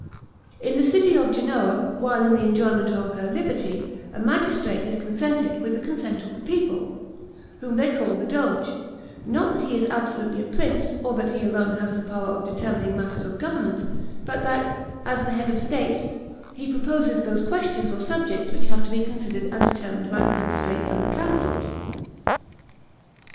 In the city of Genoa, while in the enjoyment of her liberty, a magistrate is created with the consent of the people, whom they call the Doge; not that he is absolutely a prince, or that he alone has the power of determining matters of government; but that, as the head of the state, he proposes those questions or subjects which have to be considered and determined by the magistrates and the councils.